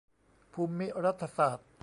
ภูมิรัฐศาสตร์